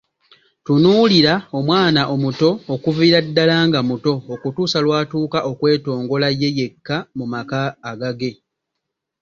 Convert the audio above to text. Tunuulira omwana omuto, okuviira ddala nga muto, okutuusa lwatuuka okwetongola ye yekka mu maka agage.